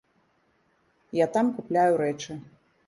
Я там купляю рэчы.